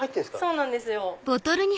そうなんですよ。